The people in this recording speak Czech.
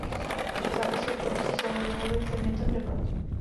Zákaz obchodu se slonovinou je předmětem debat.